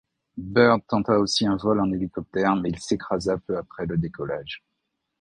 Byrd tenta aussi un vol en hélicoptère mais il s'écrasa peu après le décollage.